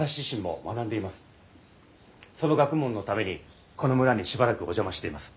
その学問のためにこの村にしばらくお邪魔しています。